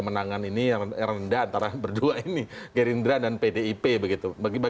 tadi juga pengundur diantsara